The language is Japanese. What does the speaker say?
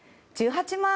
１８万